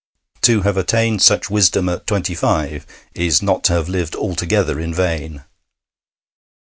To have attained such wisdom at twenty five is not to have lived altogether in vain.